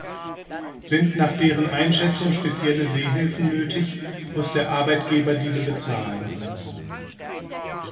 Sind nach deren Einschätzung spezielle Sehhilfen nötig, muss der Arbeitgeber diese bezahlen.